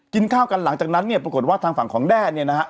กินข้าวกันหลังจากนั้นเนี่ยปรากฏว่าทางฝั่งของแด้เนี่ยนะฮะ